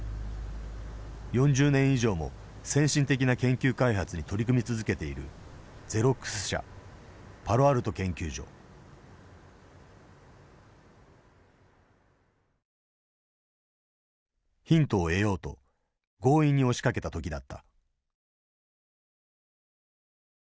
４０年以上も先進的な研究開発に取り組み続けているゼロックス社ヒントを得ようと強引に押しかけた時だった。